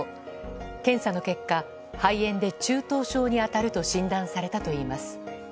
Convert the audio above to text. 検査の結果、肺炎で中等症に当たると診断されたといいます。